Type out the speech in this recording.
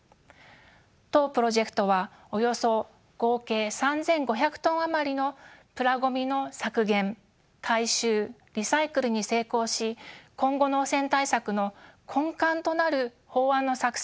当プロジェクトはおよそ合計３，５００トン余りのプラごみの削減回収リサイクルに成功し今後の汚染対策の根幹となる法案の作成